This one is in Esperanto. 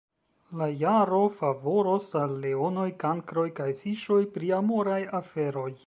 La jaro favoros al Leonoj, Kankroj kaj Fiŝoj pri amoraj aferoj.